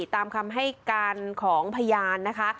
ตามคำให้การของพยานนะคะ